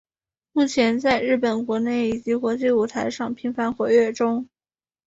目前在日本国内以及国际舞台上频繁活跃中。